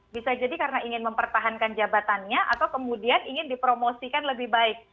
bisa jadi karena ingin mempertahankan jabatannya atau kemudian ingin dipromosikan lebih baik